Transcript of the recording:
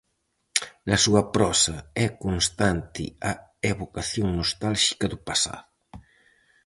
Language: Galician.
Na súa prosa é constante a evocación nostálxica do pasado.